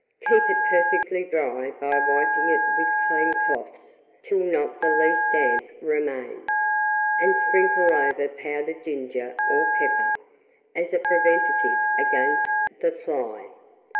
Keep it perfectly dry by wiping it with clean cloths till not the least damp remains, and sprinkle over powdered ginger or pepper, as a preventative against the fly.